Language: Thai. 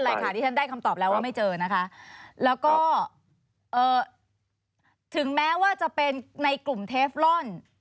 อะไรค่ะที่ฉันได้คำตอบแล้วว่าไม่เจอนะคะแล้วก็เอ่อถึงแม้ว่าจะเป็นในกลุ่มเทฟลอน